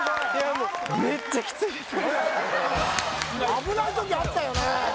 もう危ない時あったよね